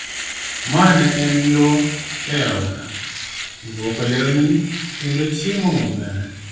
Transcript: A. mar Ne en lwok e aora, lwoko lewni, kendo chiemo maber